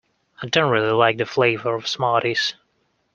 I don't really like the flavour of Smarties